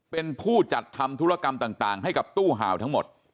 เป็นผู้จัดทำธุรกรรมต่างให้กับตู้ห่าวทั้งหมด